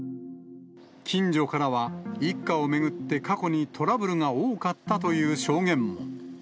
近所からは、一家を巡って、過去にトラブルが多かったという証言も。